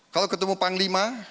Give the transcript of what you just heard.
kalau ketemu panglima